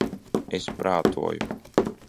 Es prātoju...